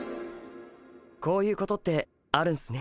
こういうことってあるんすね。